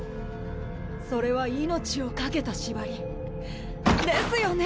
それは命を懸けた縛りですよね